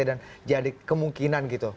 dan jadi kemungkinan gitu